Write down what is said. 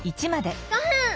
５分！